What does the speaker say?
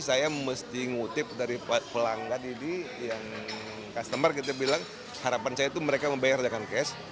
saya mesti ngutip dari pelanggan ini yang customer kita bilang harapan saya itu mereka membayar dengan cash